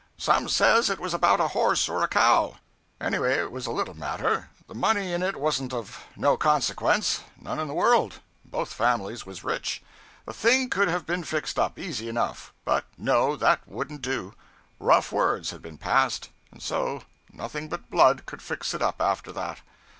Some says it was about a horse or a cow anyway, it was a little matter; the money in it wasn't of no consequence none in the world both families was rich. The thing could have been fixed up, easy enough; but no, that wouldn't do. Rough words had been passed; and so, nothing but blood could fix it up after that.